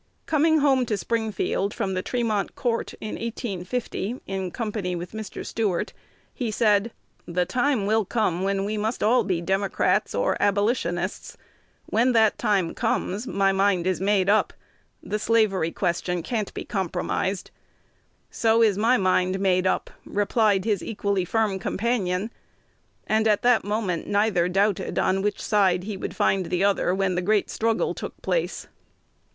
Coming home to Springfield from the Tremont court in 1850 in company with Mr. Stuart, he said, "The time will come when we must all be Democrats or Abolitionists. When that time comes, my mind is made up. The 'slavery question' can't be compromised." "So is my mind made up," replied his equally firm companion; and at that moment neither doubted on which side he would find the other when the great struggle took place.